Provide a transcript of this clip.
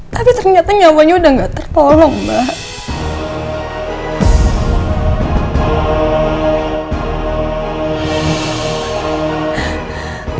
tapi ternyata nyawanya udah nggak tertolong mbak